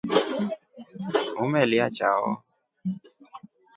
Umelya chao?